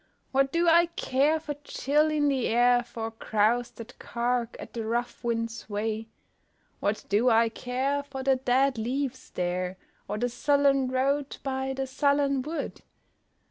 What do I care for chill in the air For crows that cark At the rough wind's way. What do I care for the dead leaves there Or the sullen road By the sullen wood.